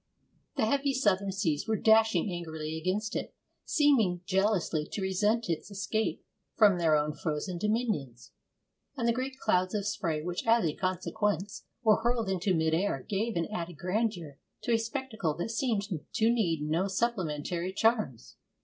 The heavy southern seas were dashing angrily against it, seeming jealously to resent its escape from their own frozen dominions. And the great clouds of spray which, as a consequence, were hurled into mid air gave an added grandeur to a spectacle that seemed to need no supplementary charms.